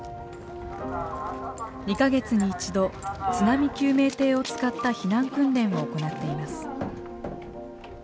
２か月に１度津波救命艇を使った避難訓練を行っています。